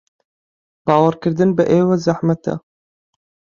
باوەڕکردن بە ئێوە زەحمەتە.